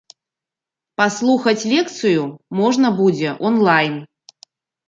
Паслухаць лекцыю можна будзе онлайн.